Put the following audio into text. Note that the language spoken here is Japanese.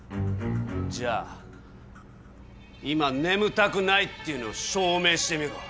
じゃあ今眠たくないっていうのを証明してみろよ。